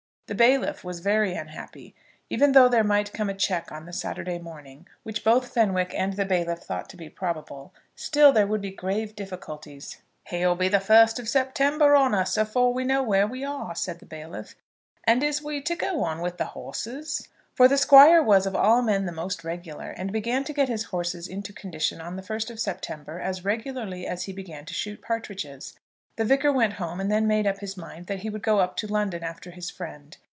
The bailiff was very unhappy. Even though there might come a cheque on the Saturday morning, which both Fenwick and the bailiff thought to be probable, still there would be grave difficulties. "Here'll be the first of September on us afore we know where we are," said the bailiff, "and is we to go on with the horses?" For the Squire was of all men the most regular, and began to get his horses into condition on the first of September as regularly as he began to shoot partridges. The Vicar went home and then made up his mind that he would go up to London after his friend.